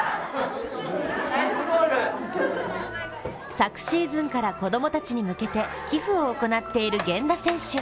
昨シーズンから子供たちに向けて寄付を行っている源田選手。